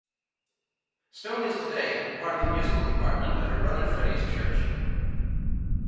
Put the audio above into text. Stone is today part of the musical department at her brother Freddie's church.